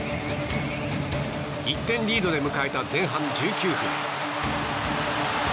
１点リードで迎えた前半１９分。